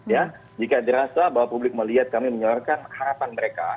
ya jika dirasa bahwa publik melihat kami menyuarakan harapan mereka